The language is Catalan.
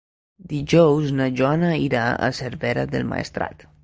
Dijous na Joana irà a Cervera del Maestrat.